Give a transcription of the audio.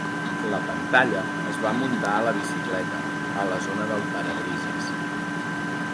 La pantalla es va muntar a la bicicleta, a la zona del parabrises.